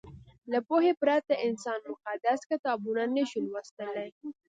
له پوهې پرته انسان مقدس کتابونه نه شي لوستلی.